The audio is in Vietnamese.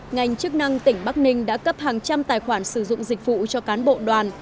ngành chức năng tỉnh bắc ninh đã cấp hàng trăm tài khoản sử dụng dịch vụ cho cán bộ đoàn